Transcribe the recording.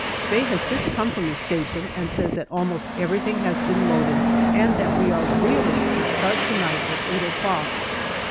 Faye has just come from the station and says that almost everything has been loaded, and that we are really to start to night at eight o'clock.